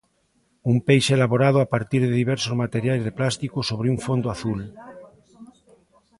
Un peixe elaborado a partir de diversos materiais de plástico sobre un fondo azul.